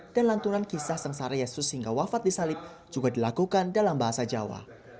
dan lanturan kisah sengsara yesus hingga wafat disalib juga dilakukan dalam bahasa jawa